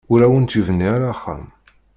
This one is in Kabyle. Ur awent-yebni ara axxam.